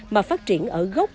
mà phát triển ở gốc